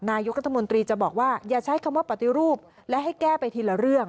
นายกรัฐมนตรีจะบอกว่าอย่าใช้คำว่าปฏิรูปและให้แก้ไปทีละเรื่อง